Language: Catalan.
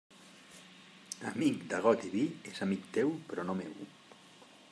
Amic de got i vi és amic teu però no meu.